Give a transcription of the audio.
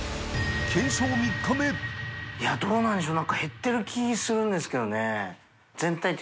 いやどうなんでしょう？